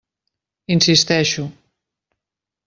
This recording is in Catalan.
Insisteixo.